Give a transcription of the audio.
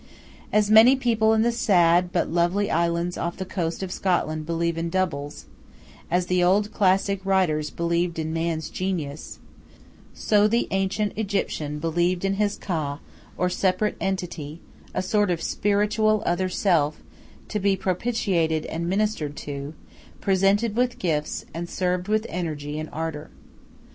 As many people in the sad but lovely islands off the coast of Scotland believe in "doubles," as the old classic writers believed in man's "genius," so the ancient Egyptian believed in his "Ka," or separate entity, a sort of spiritual other self, to be propitiated and ministered to, presented with gifts, and served with energy and ardor.